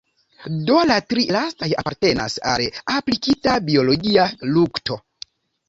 Do la tri lastaj apartenas al aplikita biologia lukto.